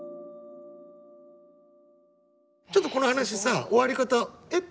ちょっとこの話さ終わり方「えっ？」